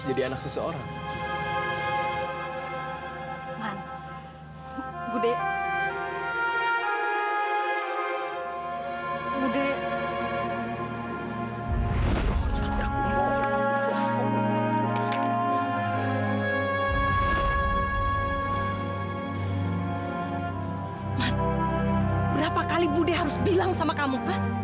man berapa kali budi harus bilang sama kamu